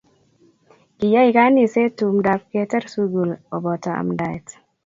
Kiyay kaniset tumdo ab ketar sukul kobato amndaet